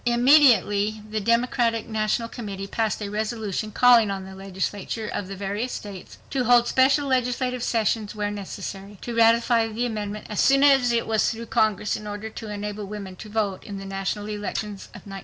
Immediately the Democratic National Committee passed a resolution calling on the legislatures of the various states to hold special legislative sessions where necessary, to ratify the amendment as soon as it was through Congress, in order to "enable women to vote in the national elections of 1920."